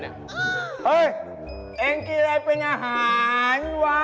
เฮ้ยเอ็งกี้ไรเป็นอาหารวะ